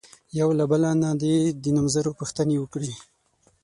یو له بله نه دې د نومځرو پوښتنې وکړي.